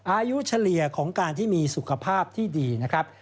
อายุเฉลี่ยของการที่มีสุขภาพที่ดีนะครับ